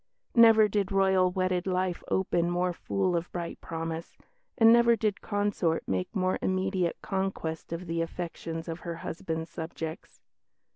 Never did Royal wedded life open more full of bright promise, and never did consort make more immediate conquest of the affections of her husband's subjects.